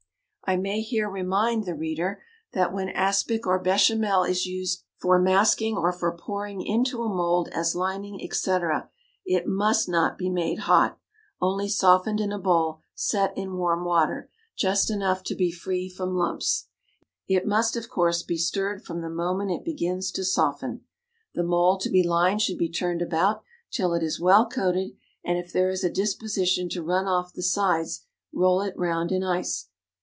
I may here remind the reader that when aspic or béchamel is used for masking or for pouring into a mould as lining, etc., it must not be made hot, only softened in a bowl set in warm water, just enough to be free from lumps. It must, of course, be stirred from the moment it begins to soften. The mould to be lined should be turned about till it is well coated, and if there is a disposition to run off the sides, roll it round in ice.